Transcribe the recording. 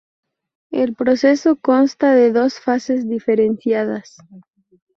El proceso consta de dos fases diferenciadas.